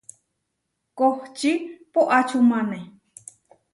Kohčí poʼačúmane.